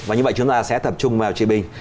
và như vậy chúng ta sẽ tập trung vào chế bình